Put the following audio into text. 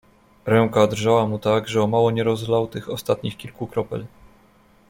Ręka drżała mu tak, że o mało nie rozlał tych ostatnich kilku kropel.